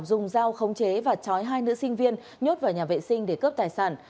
dùng dao khống chế và chói hai nữ sinh viên nhốt vào nhà vệ sinh để cướp tài sản